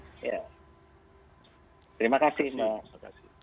terima kasih mbak